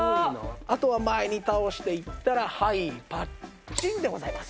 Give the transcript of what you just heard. あとは前に倒していったらはいパッチンでございます。